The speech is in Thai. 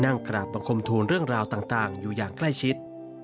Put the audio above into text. กราบบังคมทูลเรื่องราวต่างอยู่อย่างใกล้ชิด